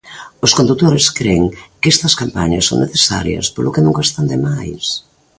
Os condutores cren que estas campañas son necesarias polo que nunca están demais.